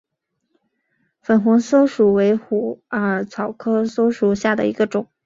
粉红溲疏为虎耳草科溲疏属下的一个种。